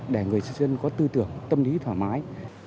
để người tri dân có tư tưởng tâm lý thoải mái